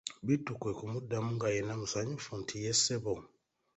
Bittu kwe kumuddamu nga yenna musanyufu nti:"ye ssebo"